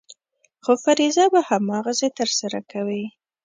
خو فریضه به هماغسې ترسره کوې.